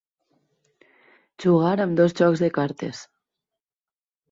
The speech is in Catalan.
Jugar amb dos jocs de cartes.